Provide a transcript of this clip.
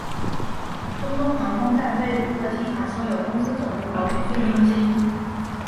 中东航空在贝鲁特机场设有公司总部和培训中心。